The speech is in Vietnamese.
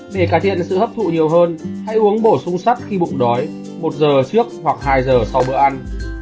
để cải thiện được sự hấp thụ nhiều hơn hãy uống bổ sung sắt khi bụng đói một giờ trước hoặc hai giờ sau bữa ăn